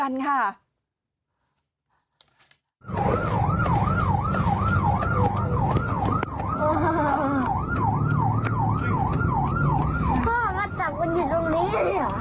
พ่อกันจับมันอยู่ตรงนี้หรือยัง